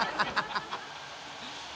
ハハハ